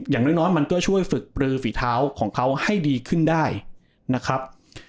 อย่างน้อยมันก็ช่วยฝึกปลือฝีเท้าของเขาให้ดีขึ้นได้นะครับ